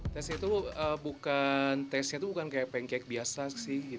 tresnya itu bukan kayak pancake biasa sih